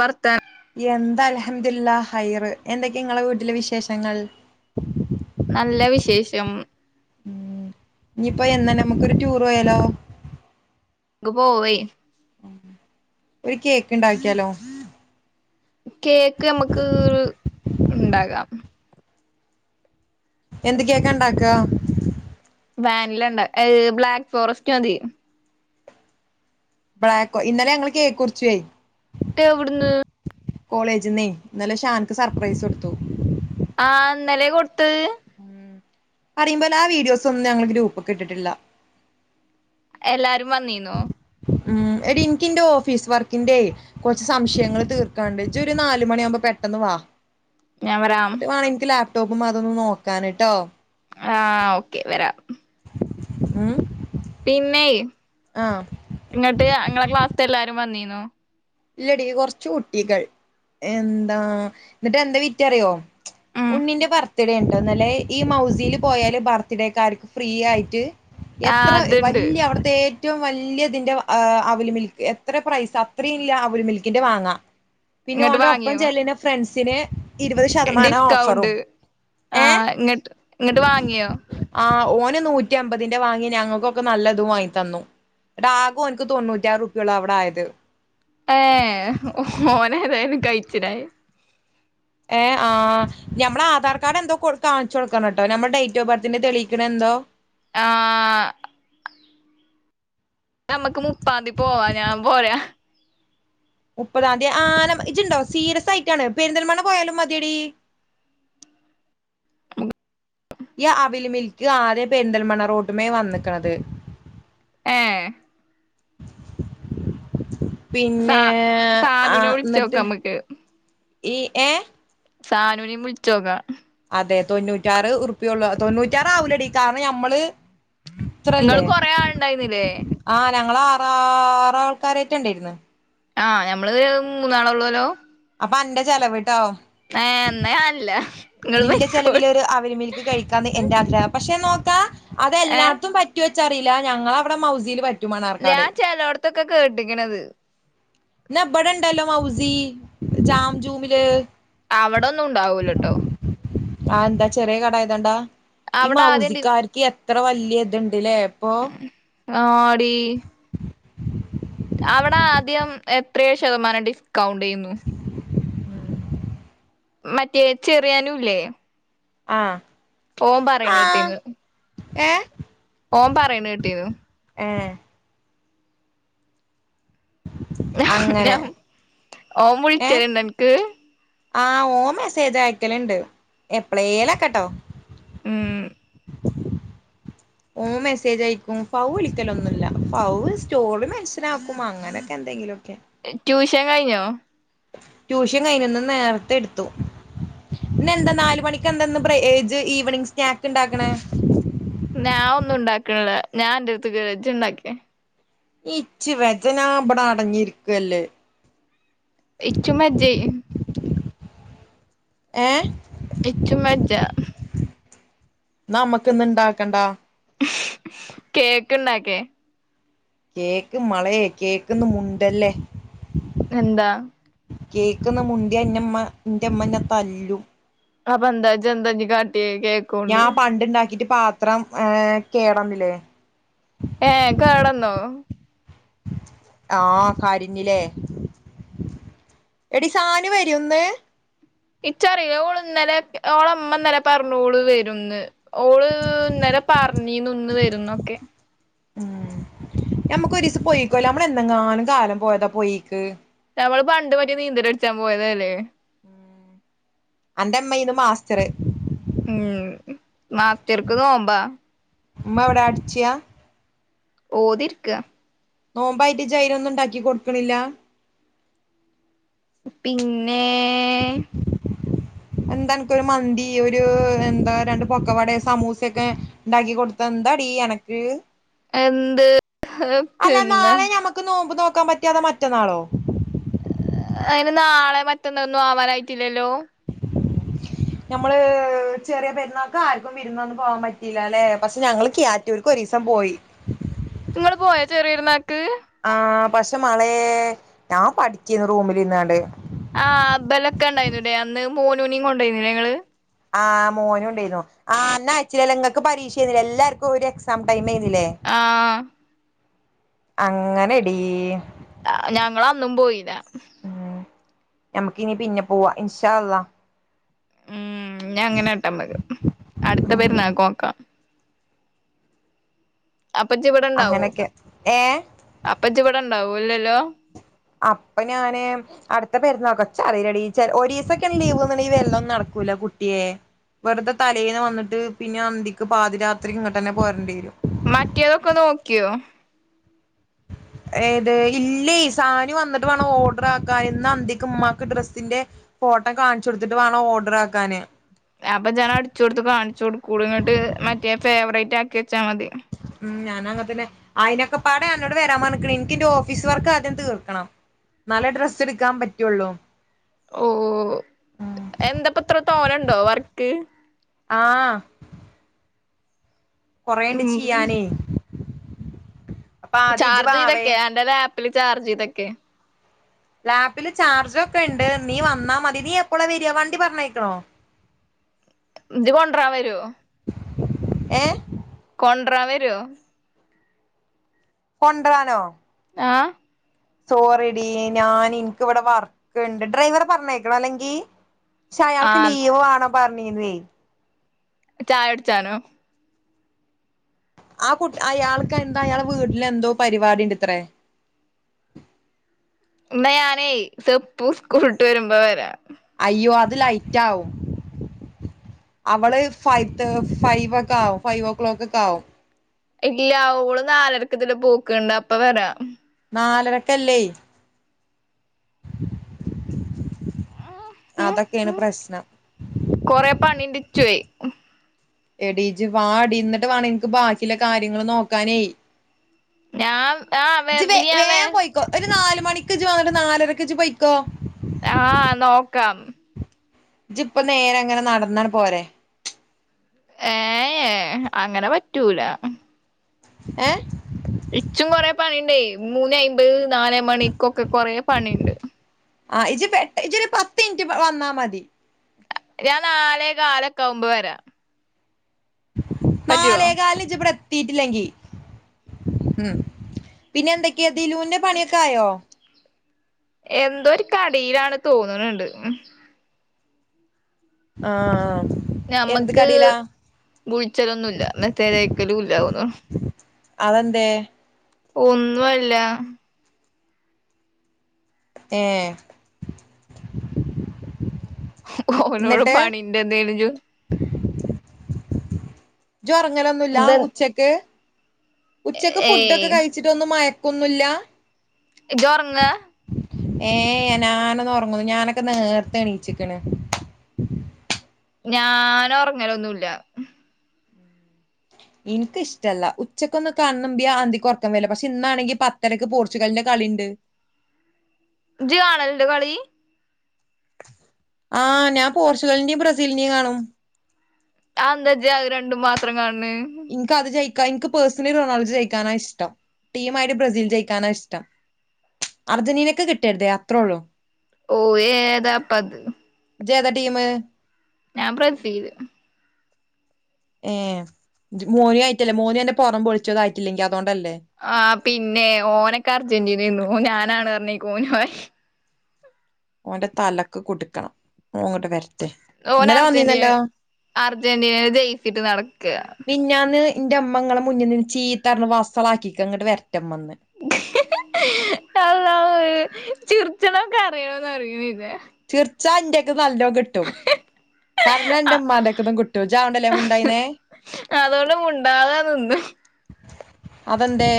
വർത്താ എന്താ അലഹംദുലില്ല ഹൈറ് എന്തൊക്കെയ നിങ്ങളെ വീട്ടിലെ വിശേഷങ്ങൾ നല്ല വിശേ ത്യം ഉം ഇനിയിപ്പോ എന്നാ നമ്മുക്കൊരു റ്റൂറ് പോയാലോ ക്ക് പോവേ ഒര് കേക്ക് ഇണ്ടാക്കിയാലോ കേക്ക് നമ്മക്ക് ഉണ്ടാകാം എന്ത് കേക്ക് ഇണ്ടാക്കാ വാനില ഇണ്ട ഏ ബ്ലാക്ക് ഫോറസ്റ്റ് മതി ബ്ലാക്കോ ഇന്നലെ ഞങ്ങള് കേക്കുർച്ചെയ് ട്ട് എവ്ട്ന്ന് കോളേജ്ന്നെ ഇന്നലെ ഷാൻക്ക് സർപ്രൈസ് കൊട്ത്തു ആ ഇന്നലെ കൊട്ത്തെ ഉം പറയുമ്പോലെ ആ വീഡിയോസ് ഒന്നും എല്ലാരും വന്നീന്നൊ ഉം എടീ ഇൻക്ക് ഇന്റെ ഓഫീസ് വർക്കിന്റെ കൊറച്ച് സംശയങ്ങൾ തീർക്കാണ്ട് ഇജ് ഒരു നാല് മണിയാവുമ്പോ പെട്ടെന്ന് വാ ഞാൻ വരാം വരുവാണെങ്കി ലാപ് ടോപ് മാത്രോന്ന് നോക്കാനിട്ടോ ആ ഓക്കെ വരാം മ് പിന്നെ ഇങ്ങട്ട് അങ്ങള ക്ലാ എല്ലാരും വന്നീന്നൊ ഇല്ലെടി കുറച്ച് കുട്ടികൾ എന്താ എന്നിട്ട് എന്താ വിറ്ററിയോ ഉം ഉണ്ണിന്റെ ബർത്ത്ഡേൺട്ടു ഇന്നലെ ഈ മൗസീ ല് പോയാല് ബർത്ത്ഡേക്കാർക്ക് ഫ്രീ ആയിട്ട് എത്ര ആഹ് അത്ണ്ട് വല്യ അവിട്ത്തെ ഏ റ്റവും വല്ല്യ ഇതിന്റെ ഏ അവിൽ മിൽക്ക് എത്ര പ്രൈസ് അത്രയിം ഇല്ല അവിൽ മിൽക്കിന്റെ വാങ്ങാം പിന്നെ ഓന്റെ ഒപ്പം ചെല്ലിന ഫ്രണ്ട്സ് സ്നെ ഡികൗണ്ട് ആ ഏ ഇങ്ങട്ട് ഇങ്ങട്ട് വാങ്ങിയോ പിന്നെ നൂറ്റി അമ്പതിന്റെ വാങ്ങി ഞങ്ങക്കൊക്കെ നല്ലതും വാങ്ങി തന്നു ഇങ്ങട്ട് ആകെ ഓൻക്ക് തൊണ്ണൂറ്റി ആറ് ഉർപ്പിയൊള്ളു അവിടെ ആയത് ഏ ഹോഹോനേതായാലും കയ് ഏ ആ നമ്മള ആധാർകാർഡ് എന്തോ കൊടുത്താൺ ചൊട്ക്കണട്ടൊ നമ്മ ഡേറ്റ് ഓ ബർത്തിന്റെ ആ നമ്മക്ക് മുപ്പാന്തി പോവാ ഞാൻ പോരാ മുപ്പതാന്തി ആനാം ഇജ്ണ്ടോ സീരിയസ് ആയിട്ടാണ് പെരന്തൽമണ്ണ പോയാലും മതി എടീ ഈ അവിൽമിൽക്ക് ഏ സാ പിന്നെ ആ സാനുനെ ന്നിട്ട് വിളിച്ചോക്കാം നമ്മക്ക് ഇ എ സാനുനിം വിൾച്ചോക്കാ അതെ തൊണ്ണൂറ്റാറ് ഉർപ്പിയൊള്ളു തൊണ്ണൂറ്റാറാവൂലെടി കാരണം നമ്മള് ഇങ്ങള് ഇത്രല്ലേ കൊറേ ആള്ണ്ടായിന്നില്ലേ ആ ഞങ്ങള അ ആ റാൾക്കാരെറ്റെ ഇണ്ടേര്ന്ന് ആ ഞമ്മള് ഇത് ഏതാ മൂന്നാളഒള്ളൂ ല്ലൊ അപ്പ അന്റെ ചെലവ് എന്നാ ഞാനില്ല ഇങ്ങള് ട്ടോനിന്റെ പൊയ്ക്കോളി ചെലവിലൊര് അവലിമൽക്ക് കഴിക്കാന്ന് എന്റെ പക്ഷെ നോക്കാ ഏ അതെല്ലാട്ത്തും പറ്റു ച്ചറീല്ല ഞങ്ങളവിടെ മൗസിൽ പ ഞാ ചലോടത്തൊക്കെ കേട്ടിക്ണത് ന്ന ബടെണ്ടല്ലോ മൗസി ജാംമ ജൂ മില് അവിടൊന്നും ഉണ്ടാവൂലട്ടോ ആഹ എന്താ ചെറിയ കടയതോണ്ടാ ഈ അവടെ ആദ്യം മൗസി ഡി കാർക്ക് ഇത്ര വല്യ ത്ണ്ട്ല്ലേ അപ്പോ ആടി അവിടെ ആദ്യം എത്രയ ശതമാനം ടി കൗണ്ടെ യ്യുന്നു മറ്റേ ചെറിയാനുല്ലേ ആഹ ഓം പറി ണേട്ടീന്ന് ഏഹ ഓൻ പറണേട്ടീന്നു അങ്ങനെ ഓം വിൾ ച്ചല്ണ്ടോൻക്ക് ആഹ് റാം മെസേജ് ആയക്കലുണ്ട് എ പ്ലേല്ലെക്കട്ടോ ഉഹ ഓ മെസ്സേജ അയക്കും ഫൗ വിളിക്കലോന്നുല്ല ഫൗ സ്റ്റോറി മനസിലാക്കും അങ്ങനെ തെങ്കിലോക്കെ എന്തെങ്കിലുമൊക്കെ ട്യൂഷൻ കഴിഞ്ഞോ ട്യൂഷൻ കഴിഞ്ഞു ഇന്ന് നേർത്തെ എടുത്തു പിന്നെ എന്താ നാല് മണിക്ക് എന്താ ബ്രേഏജ് ഈവനിങ് സ്നാക്ക് ണ്ടാക്കണേ ഞാൻ ഒന്നും ണ്ടാക്ക്ണില്ലഉണ്ടാക്ക ഞാൻ അന്റെ അടുത്ത് വരാ ജ്ജ് ഉണ്ടാക്കിയ ഇച്ച് വെജ ഞാവടെ അടങ്ങിരിക്ക ല്ലേ എച്ചും വെജേ ഏഹ ഇച്ചുവെജ്ജ നമ്മക്ക് ഇന്ന് ഇണ്ടാക്കണ്ടാ കേക്ക്ണ്ടാക്കെ കേക്ക് മളെ കേക്ക് ന്ന്മുണ്ടല്ലേ എന്താ കേക്ക് ന്ന് മുണ്ട്യാന്ന്മ്മ ന്റെമ്മനെ ത ല്ലും ആഹ്പന്താ ജ്‌പന്താ കാട്ട്വ ഞാൻ പണ്ട ഉണ്ടാക്കിട്ട് പാത്രം ഏ കേടന്നില്ലേ ഏ കേടന്നോ ആ കരിഞ്ഞിലേ എടി സാനു വരൊന്ന് ഇച്ചറില്ലേ ഓള് ഇന്നലെ ഓളമ്മ ഇന്നലെ പറഞ്ഞ ഓള് വരുംന്ന് ഓള് ഇന്നര പറഞ്ഞീന്ന് ഇന്ന് വരുന്നൊക്കെ ഉം ഞമ്മക്ക് ഒരു ദിവസം പോയിക്കല്ല നമ്മള എന്തെങ്ങാനും കാലം പോയതാ പോയിക്ക് ഞമ്മള് പണ്ട് പറ്റി നീന്തല അടിച്ചാൻ പോയതല്ലേ എന്റെമ്മയിന് മാസ്റ്റർ മാത്തിർക്കതും നോമ്പാ മ്മ അവ്ട അട്ച്ച ഓതിർക്ക് നോമ്പായിട്ട് ജൈനൊന്നും ഉണ്ടാക്കി കൊട്ക്ക്ണില്ല പിന്നെ എന്താ എനക്കരു മന്തി ഒരു എന്താ രണ്ട് പൊക്കവട സമൂസയൊക്കെ ഉണ്ടാക്കി കൊടുത്ത എന്താടി അനക്ക് എന്ത് പിന്നെ നക്കാൻ പറ്റാതെ മറ്റന്നാളോ അയ്ന് നാളെ മറ്റന്ന ഒന്നും ആവാനായിട്ടില്ലല്ലോ നമ്മള് ചെറിയ പെരുന്നക്ക് ആർക്കും വിരുന്നന്ന് പോവാൻ പറ്റിയില്ല അല്ലെ പക്ഷെ ഞങ്ങള് കിയറ്റൂർക്ക് ഒരു ദിവസം പോയി നിങ്ങള് പോയാ ചെറിയര്ന്നാക്ക് ആ പക്ഷെ മളെ ഞാൻ പഠിക്കന്ന് റൂമിൽ ഇന്നാണ്ട് ആ ബലൊക്കെ ഉണ്ടായിരുന്നുല്ലേ അന്ന് മോനുനി കോണ്ടായിനിലെ ഇങ്ങള് ആ മോനും ഉണ്ടായിന്നു ആ അയച്ചിലെങ്ങക്ക് പരീക്ഷ ചെയ്യുന്ന എല്ലാർക്കും ഒരു എക്സാം ടൈം ആയിരുന്നില്ലേ ആ അങ്ങനെടീ ഞങ്ങള അന്നും പോയില്ല ഞമ്മക്ക്ഇനി പിന്നെ പോവാ ഇൻഷാഅള്ള ഞ അങ്ങനൊട്ടമ്മക്ക് അടുത്ത ഉം പേരുന്നക്ക്ഒക്കാം അപ്പച്ചിവിടണ്ടാവോ അങ്ങനൊക്കെ ഏ അപ്പച്ചിവിട ഉണ്ടാവൂല്ലല്ലോ അപ്പൊ ഞാന് അടുത്ത പെര്ന്നക്ക ച്ചറീലടി ഒരീസൊക്കെ ലീവ്ന്ന ഈ വെര്ലൊന്നും നടക്കൂല കുട്ടിയെ വെറുതെ തലേൽന്ന് വന്നിട്ട് പിന്നെ അന്തിക്ക് പാതിരാത്രിക്ക് ഇങ്ങോട്ട് തന്നെ പോരേണ്ടി വരും മറ്റിയതൊക്കെ നോക്കിയോ ഏത് ഇല്ലേ സാനി വന്നിട്ട് വേണം ഓഡർ ആക്കാൻ ഇന്ന് അന്തക്ക ഉമ്മാക്ക് ഡ്രസ്സിന്റെ ഫോട്ടോ കാണിച്ചു കൊടുത്തിട്ട് വേണം ഓർഡർ ആക്കാന് അപ്പൊ ഞാൻ അടിച്ചു കൊടുത്ത് കാണിച്ചു കൊടുക്കൂ ഇങ്ങോട്ട് മറ്റേ ഫേവറേറ്റ് ആക്കി ച്ചാ മതി അങ്ങന തന്നെ അയിനൊക്കെ പാടെ എന്നോട് വരാൻ ഇൻക്ക്ന്റെ ഓഫീസ് വർക്ക് ആദ്യം തീർക്കണം ന്നലെ ഡ്രസ്സ് എടുക്കാൻ പറ്റുള്ളു ഓ എന്താപ്പത്ര തോലണ്ട ണ്ടോ വർക്ക് ആ കൊറേണ്ട് ഉം ചെയ്യാനേ അപ്പൊ ആദ്യം ഇജ്ജ് ചാർജ് വാവേ ചെയ്തൊക്കെയ അന്റെ ല ചാർജ്തൊക്കെ ലാപ്പില് ചാർജ ഒക്കെ ഉണ്ട് നീ വന്നാ മതി നീ എപ്പോളാ വരിയാ വണ്ടി പറഞ്ഞക്കണോ ഇത് കൊണ്ടരാൻ വരുവോ ഏ ഒണ്ടാം വരുോ കൊണ്ടരാനോ ആഹ സോറിടിീ ഞാൻ എനിക്ക് ഇവിടെ വർക്കൊക്കെ ഉണ്ട് ഡ്രൈവറെ പറഞ്ഞേക്കണോ അല്ലെങ്കി പക്ഷെ അയാൾക്ക് ആഹ് ലീവ് വേണം പറഞ്ഞീനേ ചായ അടിച്ചാനോ ആ കുട്ടി അയാൾക്ക് എന്താ അയാൾ വീട്ടില എന്തോ പരിപാടിണ്ട് ഇത്രേ ഇാ ഞാനേ സെപ്പൂ കൂട്ടട്ട് വരുമ്പോ വരാ അയ്യോ അത് ലൈറ്റ് ആവും അവള് ഫവ ഫൈവ ഒക്കെ ആും ഫൈവ് ഓ ക്ലോക്ക് ഒക്കെ ആവും ഇല്ല അവള് നാലരക്കതില പൂക്ക്ണ്ട് അപ്പ വരാം നാലരക്ക അല്ലേ അതൊക്കെയാണ് പ്രശ്നം ചെയയ് എഡീജി വ അടന്നിട്ട് വേണ എനിക്ക് ബാക്കിയുള്ള കാര്യങ്ങള്ൾ നോക്കാനേ ഞാൻ ആഹ് വരല് ഞാൻ വേ വേൻ പോയിക്കോ ഒരു നാല [unintelligible] വന്നിട്ട് നാലരക്കച്ച് പയിക്കോ ആഹ നോക്ക കം ഇ ഇപ്പ നേരെ അങ്ങനെ നടന്നാണ് പോരെ ഏ അങ്ങനെ പറ്റൂല ഏ ഇച്ചും കൊറ പണിയണ്ടേ മൂന്ന് അമ്പത് നാല മണിക്കൊക്കെ കൊറെ പണിയുണ്ട് ആഹ ഇജ പ ഇജൊ ഒരു പത്ത് മിനിറ്റ് വന്നാ മതി ഞാൻ നാാലെ കാലൊക്കെകുമ്പ് വരാ നാലേ കാലിച്ച പ്ര ീട്ടില്ലെങ്കി ഉ പിന്നെ എന്തൊക്കെയതിലൂന്റെ പണിയൊക്കെ ആയോ എന്തോ ഒരു കടയിലാണ് തോന്നണണ്ട് ഉ ആഹ ആ എന്ത് ഞമ്മക്ക് കടീലാ കുളിച്ചലൊന്നുമല്ല മെസ്സേജക്കലും ഇല്ല ആ അതെന്തേ ഒന്നുംല്ല ഏ ഓനോട് എന്നിട്ട് പണിന്റെ എന്തജു ജുറങ്ങലൊന്നുമല്ല ഇത് ഉച്ചക്ക് ഉച്ചയ്ക്ക് ഏയ് ഫുഡ് ഒക്കെ കഴിച്ചിട്ട് ഒന്ന് മയ ങ്ങോന്നുല്ല ഇജിഒറങ്ങ ഏ ഞാനൊന്ന് ഉറങ്ങുന്നു ഞാനൊക്കെ നേർത്തെ എണീച്ചിക്കണ് ഞാന ഉറങ്ങലന്നുല്ല എനിക്ക ഇഷ്ടല്ല ഉച്ചക്കൊന്നും കണ്ണ്മ്പ്യ അന്തിക്ക് ഉറക്കം വരല പക്ഷെ ഇന്നാണെങ്കി പത്തരക്ക് പോർച്ചുഗലിന്റെ കളിണ്ട് ജി കാണല്ണ്ടോ കളി ആഹ ഞാൻ പോർച്ചുഗലിന്റെയും ബ്രസീലിന്റെയും കാണും ആന്താജ്യ അത് രണ്ടും മാത്രം കാണ് ണ് എനിക്ക് അത് ജയിക്കാ എനിക്ക് പേഴ്സലി റൊണാൾഡോ ജയിക്കാന ഇഷ്ടം ടീ ആയിട്ട് ബ്രസീൽ ജയിക്കാനാ ഇഷ്ടം അർജന്റീനക് കിട്ടരുത് അത്രേ ഉള്ളൂ ഓയേതാപ്പത് ജേതാ ടീമ് ഞാൻ ബ്രസീൽ ഏഹ മോനി ആയിട്ടല്ലേ മോനു അന്റെ പുറം പൊളിച്ചും അതായിട്ടില്ലെങ്കി അ ആ പിന്നെ ഓനൊക്കെ അർജന്റീനന്നു ഓ ഞാനാണ് നറഞിക്ക് ഒനുമായി അവന്റെ തലക്ക് കൊടുക്കണം ഓൻ ങ്ങട്ട് വെര് ഓന അർജന്റീന അർജന്റീനൽ ജയിച്ചിട്ട് നടക്ക ന്റെമ്മങ്ങളെ മുന്നിന്ന് ചീത്തരണ വസളക്കിക്ക ങ്ങട്ട് വെര അല്ലാഹുവേ ചിർ ചണോ കരയാണോന്നറയുന്നില്ല ചിർച്ചാന്റെകന്ന് നല്ലോം കിട്ടും കരഞ്ഞ ന്റെമ്മാന്റെക്കെന്നും കിട്ടും ജിയതോണ്ടല്ലേ മുണ്ടായിനേ അതുകൊണ്ട് മുണ്ടാതെ നിന്ന് അതെന്തെ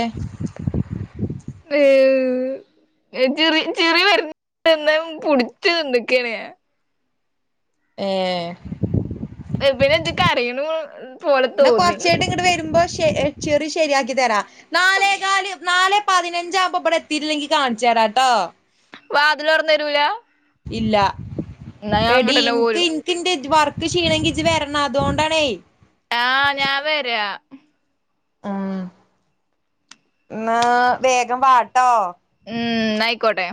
ച ചിറിചിറി വരുന്നന്ത പിടിച്ച് നിന്ന് ക്കാണ് ഞാൻ ഏ പിന്നെ എന്തൊക്കെ കരയണ പോലെ തോന്നി ചെ ചെറി ശരിയാക്കി തരാം നാലേ കാല് നാലെ പതിനഞ്ചാവുമ്പോ ഇബടെ എത്തിയിട്ടില്ലെങ്കി കാണിച്ചരാട്ടോ വാതിലൊറന്നു തരുല ഇല്ല എടി ഇൻക് പോരും ഇൻക്‌ ഇന്റെ വർ ൻക് ക്ഷീണെങ്കി ഇജി വരണം അതുകൊണ്ടാണേ ആഹ ഞാൻ വരാ ഉം എന്ന വേഗം വാട്ടോ ഉം ന്നായിക്കോട്ടെ